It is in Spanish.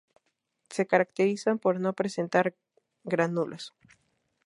Se caracterizan por no presentar gránulos.